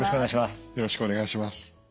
よろしくお願いします。